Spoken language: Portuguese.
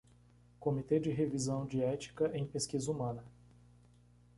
Comitê de Revisão de Ética em Pesquisa Humana